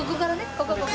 ここここ。